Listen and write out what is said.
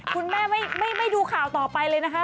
คุณแม่ไม่ดูข่าวต่อไปเลยนะคะ